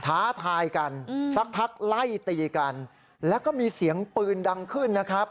ท้าทายกันสักพักไล่ตีกันแล้วก็มีเสียงปืนดังขึ้นนะครับ